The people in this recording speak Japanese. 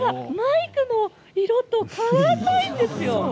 マイクの色と変わらないんですよ。